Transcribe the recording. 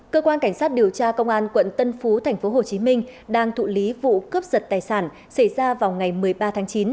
cơ quan cảnh sát điều tra công an quận tân phú tp hcm đang thụ lý vụ cướp giật tài sản xảy ra vào ngày một mươi ba tháng chín